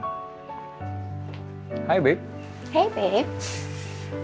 di sisi lain gue juga gak mau hubungan gue dengan sienna kembali merenggang seperti kemarin